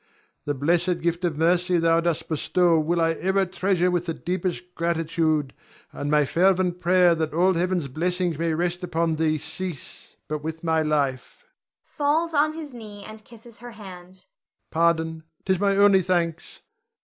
The blessed gift of mercy thou dost bestow will I ever treasure with the deepest gratitude, and my fervent prayer that all Heaven's blessings may rest upon thee cease but with my life [falls on his knee and kisses her hand]. Pardon, 'tis my only thanks.